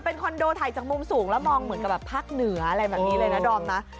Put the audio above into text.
เป็นคอนโดถ่ายจากมุมสูงแล้วมองเหมือนกับแบบภาคเหนืออะไรแบบนี้เลยนะดอมนะ